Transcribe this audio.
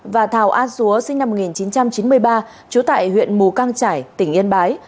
và thảo a dúa sinh năm một nghìn chín trăm chín mươi ba trú tại huyện mù căng trải tỉnh yên bái